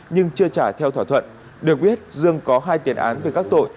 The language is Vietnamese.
nhưng chưa trả theo thỏa thuận được biết dương có hai tiền án về các tội